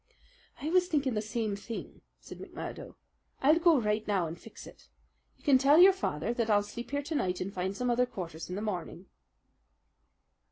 "I was thinking the same thing," said McMurdo. "I'll go right now and fix it. You can tell your father that I'll sleep here to night and find some other quarters in the morning."